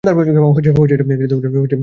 হচ্ছেটা কী আসলে?